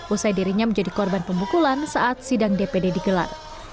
usai dirinya menjadi korban pemukulan saat sidang dpd digelar